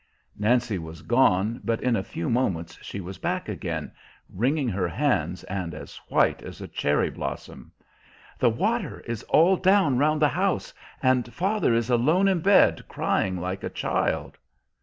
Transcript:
Nancy was gone, but in a few moments she was back again, wringing her hands, and as white as a cherry blossom. "The water is all down round the house, and father is alone in bed crying like a child."